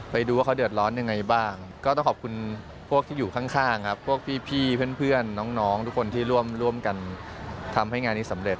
ไปดูว่าเขาเดือดร้อนยังไงบ้างก็ต้องขอบคุณพวกที่อยู่ข้างครับพวกพี่เพื่อนน้องทุกคนที่ร่วมกันทำให้งานนี้สำเร็